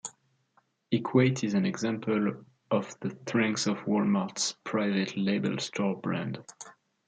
Equate is an example of the strength of Walmart's private label store brand.